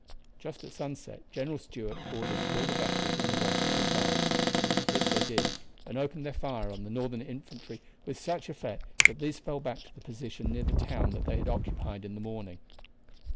Just at sunset General Stuart ordered all the batteries on the right to advance. This they did and opened their fire on the Northern infantry with such effect that these fell back to the position near the town that they had occupied in the morning.